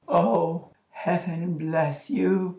"Oh, heaven bless you!"